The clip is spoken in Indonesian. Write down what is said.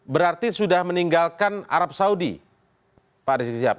berarti sudah meninggalkan arab saudi pak rizik sihab